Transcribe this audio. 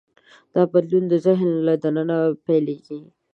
دا بدلون د ذهن له دننه پیلېږي.